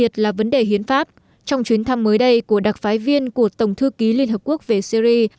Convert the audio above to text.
trong chuyến thăm mới đây của đặc phái viên của tổng thư ký liên hợp quốc về syri